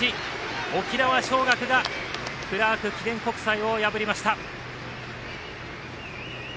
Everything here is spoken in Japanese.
沖縄尚学がクラーク記念国際を破りました。